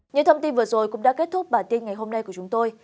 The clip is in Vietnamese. những thông tin vừa rồi cũng đã kết thúc bản tin ngày hôm nay của chúng tôi